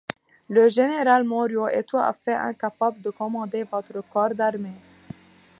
Le général Morio est tout à fait incapable de commander votre corps d'armée.